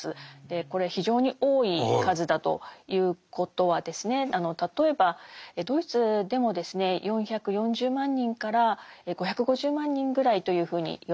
でこれ非常に多い数だということは例えばドイツでも４４０万人から５５０万人ぐらいというふうにいわれているんですね。